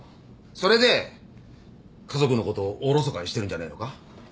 それで家族のことをおろそかにしてるんじゃねえのか。